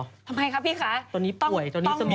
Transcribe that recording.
ตอนนี้ป่วยตอนนี้สมองเป็นบ้า